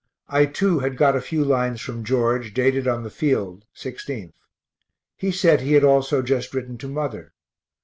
I too had got a few lines from George, dated on the field, 16th. He said he had also just written to mother.